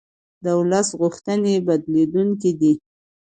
د ولس غوښتنې بدلېدونکې دي